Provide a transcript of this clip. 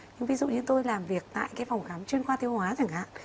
nhưng ví dụ như tôi làm việc tại cái phòng khám chuyên khoa tiêu hóa chẳng hạn